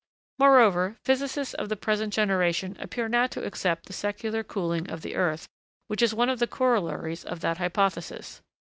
Moreover, physicists of the present generation appear now to accept the secular cooling of the earth, which is one of the corollaries of that hypothesis.